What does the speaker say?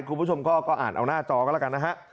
คุณผู้ชมก็อ่านเอาหน้าจอก็แล้วกันนะฮะ